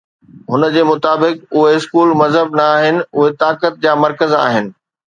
هن جي مطابق، اهي اسڪول مذهب نه آهن، اهي طاقت جا مرڪز آهن.